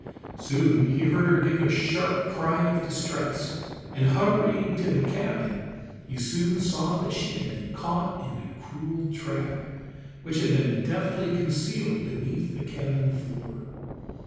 Soon he heard her give a sharp cry of distress, and hurrying to the cabin he soon saw that she had been caught in a cruel trap, which had been deftly concealed beneath the cabin floor.